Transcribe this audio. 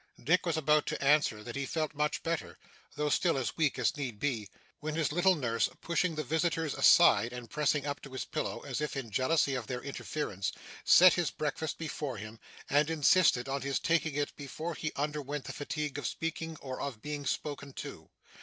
Dick was about to answer that he felt much better, though still as weak as need be, when his little nurse, pushing the visitors aside and pressing up to his pillow as if in jealousy of their interference, set his breakfast before him, and insisted on his taking it before he underwent the fatigue of speaking or of being spoken to.